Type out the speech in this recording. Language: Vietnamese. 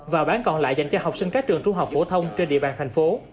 và bán còn lại dành cho học sinh các trường trung học phổ thông trên địa bàn thành phố